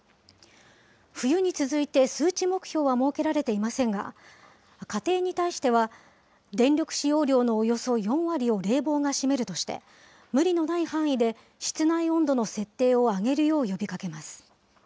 冬に続いて数値目標は設けられていませんが、家庭に対しては、電力使用量のおよそ４割を冷房が占めるとして、無理のない範囲で、室内温度の設定を上げるよう呼びかけます。